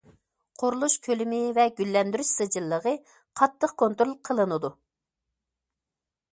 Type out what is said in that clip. قۇرۇلۇش كۆلىمى ۋە گۈللەندۈرۈش سىجىللىقى قاتتىق كونترول قىلىنىدۇ.